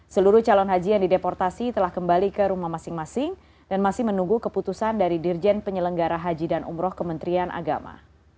seluruh calon haji yang dideportasi telah kembali ke rumah masing masing dan masih menunggu keputusan dari dirjen penyelenggara haji dan umroh kementerian agama